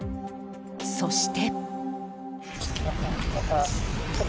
そして。